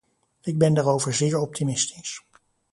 Ik ben daarover zeer optimistisch.